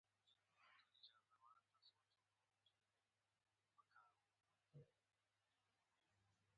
دوی به د روغو آسونو پر ستونو چاړې ور تېرولې.